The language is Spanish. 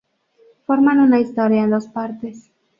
Forman una historia en dos partes.